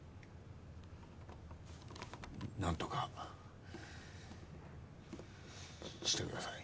なんとかしてください。